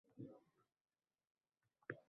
Ota endi tepishga oyoq ko‘targandi